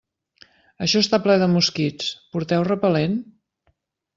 Això està ple de mosquits, porteu repel·lent?